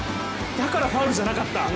だからファウルじゃなかった。